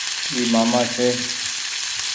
اي مآمآ ڇي ۔